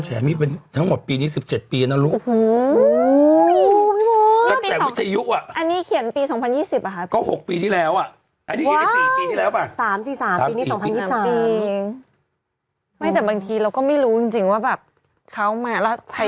ไอ้อีนุ่มจะเข้าไปร้องอุ้ยทำไม